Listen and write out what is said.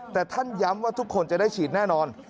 แต่ท่านย้ำว่าทุกคนจะได้ฉีดแน่นอน